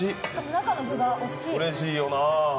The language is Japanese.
中の具が大きい。